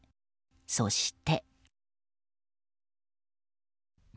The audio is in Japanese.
そして。